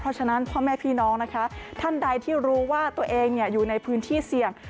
เพราะฉะนั้นพ่อแม่พี่น้องนะคะท่านใดที่รู้ว่าตัวเองอยู่ในพื้นที่เสี่ยง